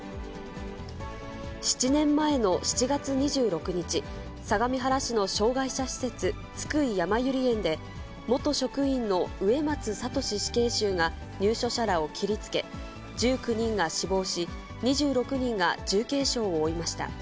７年前の７月２６日、相模原市の障がい者施設、津久井やまゆり園で、元職員の植松聖死刑囚が、入所者らを切りつけ、１９人が死亡し、２６人が重軽傷を負いました。